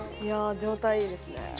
いや状態いいですね。